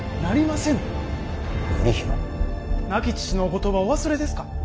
亡き父のお言葉をお忘れですか。